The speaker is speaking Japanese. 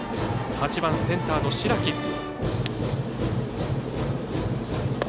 ８番、センターの白木。